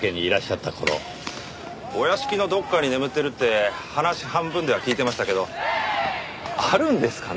お屋敷のどこかに眠ってるって話半分では聞いてましたけどあるんですかね